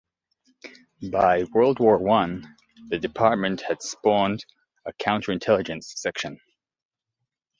By World War One, the Department had spawned a counter-intelligence section.